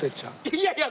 いやいや。